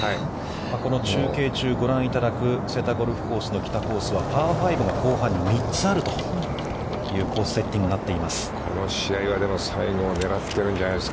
この中継中、ご覧いただくこの瀬田ゴルフコース・北コースは、パー５が後半に３つあるというコースセッティングになっています。